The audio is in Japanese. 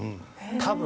多分。